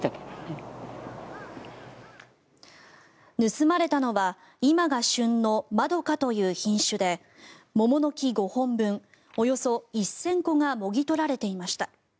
盗まれたのは、今が旬のまどかという品種で桃の木５本分およそ１０００個がもぎ取られていました。